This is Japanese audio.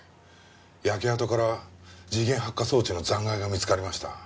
焼け跡から時限発火装置の残骸が見つかりました。